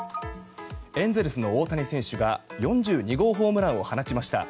エンゼルスの大谷選手が４２号ホームランを放ちました。